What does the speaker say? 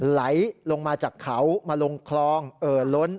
ไหลลงมาจากเขามาลงคลองเอ่อล้น